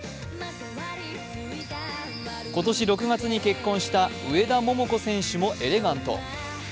今年６月に結婚した上田桃子選手もエレガント。